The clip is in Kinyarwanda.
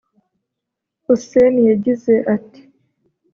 Hussein yagize ati